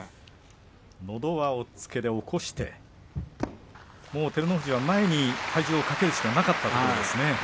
のど輪、押っつけで起こしてもう照ノ富士は前に体重をかけるしかなかったですよね。